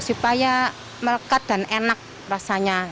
supaya melekat dan enak rasanya